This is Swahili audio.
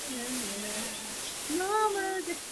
kambini kwetu ingawa kukata eneo lenye mchanga